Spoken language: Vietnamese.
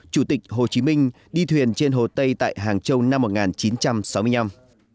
chủ tịch hồ chí minh đi thuyền trên hồ tây tại hàng châu năm một nghìn chín trăm sáu mươi năm